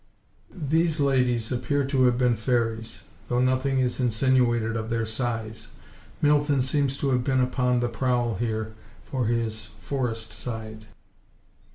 These ladies appear to have been fairies, though nothing is insinuated of their size. Milton seems to have been upon the prowl here for his "forest–side."